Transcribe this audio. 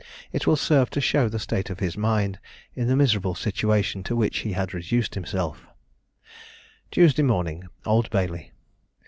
It will serve to show the state of his mind in the miserable situation to which he had reduced himself: "Tuesday morning, Old Bailey.